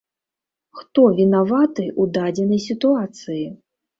Хто вінаваты ў дадзенай сітуацыі?